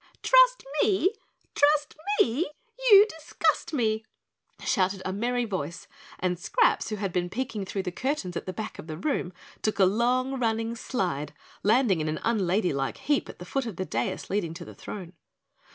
"Trust me? Trust me? You disgust me," shouted a merry voice and Scraps, who had been peeking through the curtains at the back of the room, took a long running slide, landing in an unladylike heap at the foot of the dais leading to the throne.